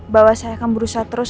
bahwa saya akan berusaha terus